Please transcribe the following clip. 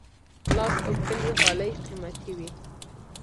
لاس اوبدلي غالۍ قیمتي وي.